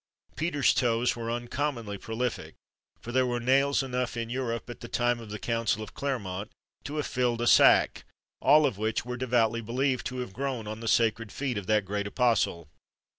Peter's toes were uncommonly prolific, for there were nails enough in Europe, at the time of the Council of Clermont, to have filled a sack, all of which were devoutly believed to have grown on the sacred feet of that great apostle.